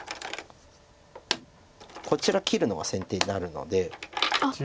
こちら切るのは先手になるので。